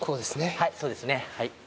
はいそうですね。